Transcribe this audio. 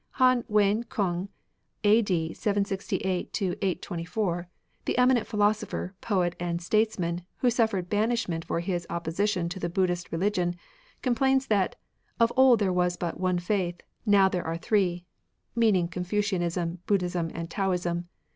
ConflUotof Han Wen kung, a.d. 768 824, the ^^^^'' eminent philosopher, poet, and states man, who suffered banishment for his opposition to the Buddhist reUgion, complains that, '' of old there was but one faith; now there are three," — meaning Confucianism, Buddhism, and Taoism.